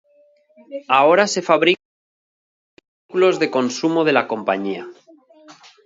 Ahora se fabrican ahí muchos artículos de consumo de la compañía.